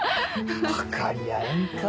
分かり合えんか。